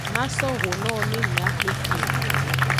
Maso ho nowo ne miaxwle kpi.